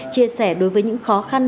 chia sẻ đối với những khó khăn